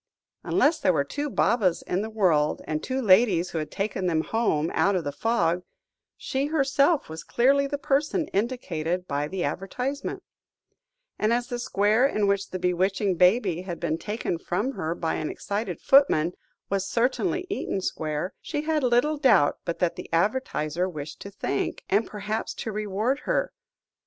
Unless there were two Babas in the world, and two ladies who had taken them home out of the fog, she herself was clearly the person indicated by the advertisement; and as the square in which the bewitching baby had been taken from her by an excited footman, was certainly Eaton Square, she had little doubt but that the advertiser wished to thank, and perhaps to reward, her.